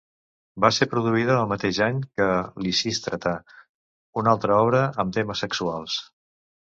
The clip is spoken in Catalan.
Va ser produïda el mateix any que "Lysistrata", una altra obra amb temes sexuals.